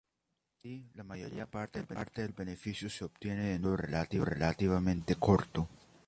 Así, la mayor parte del beneficio se obtiene en un periodo relativamente corto.